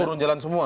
turun jalan semua